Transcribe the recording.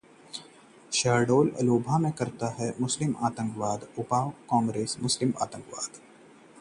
Shahdol Lok Sabha seat: क्या उपचुनाव की हार का बदला ले पाएगी कांग्रेस?